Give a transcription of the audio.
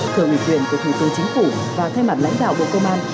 thừa biểu quyền của thủ tướng chính phủ và thay mặt lãnh đạo bộ công an